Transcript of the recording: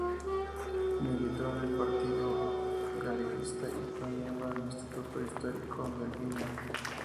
Militó en el Partido Galeguista y fue miembro del Instituto Histórico del Miño.